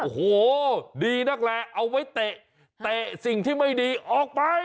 โอ้โหดีนักแหละเอาไว้เตะเตะสิ่งที่ไม่ดีออกไป